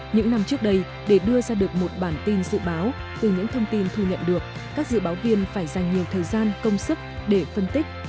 những năm trước đây để đưa ra được một bản tin dự báo từ những thông tin thu nhận được các dự báo viên phải dành nhiều thời gian công sức để phân tích